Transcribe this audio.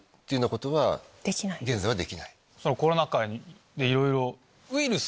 コロナ禍でいろいろ。